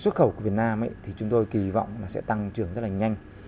xuất khẩu của việt nam chúng tôi kỳ vọng sẽ tăng trưởng rất nhanh